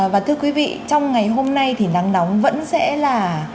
và thưa quý vị trong ngày hôm nay thì nắng nóng vẫn sẽ là